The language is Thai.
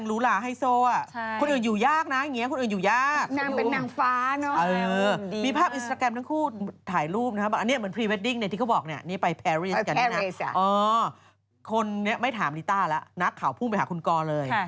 แล้วเครื่องก็มีดูสิต์ท้าย